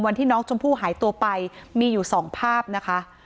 วันที่น้องชมพู่หายตัวไปมีอยู่สองภาพนะคะ